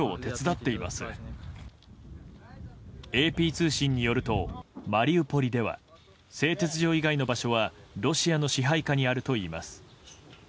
ＡＰ通信によるとマリウポリでは製鉄所以外の場所はロシアの支配下にあるといいます。